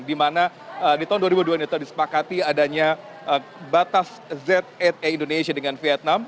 dimana di tahun dua ribu dua puluh dua ini terdispakati adanya batas z delapan indonesia dengan vietnam